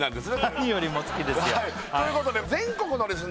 何よりも好きですよということで全国のですね